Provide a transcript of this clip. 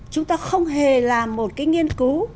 chúng ta không hề làm một cái nghiên cứu